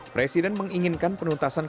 presiden menginginkan penuntasan kasus tersebut